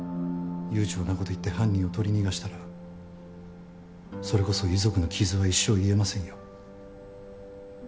悠長なこと言って犯人を取り逃したらそれこそ遺族の傷は一生癒えませんよ。